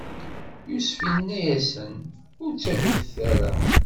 Yusef inna-yasen: Ur ttagadet ara!